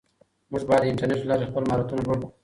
موږ باید د انټرنیټ له لارې خپل مهارتونه لوړ کړو.